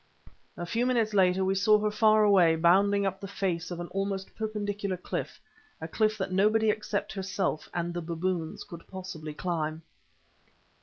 A few minutes later we saw her far away, bounding up the face of an almost perpendicular cliff—a cliff that nobody except herself and the baboons could possibly climb.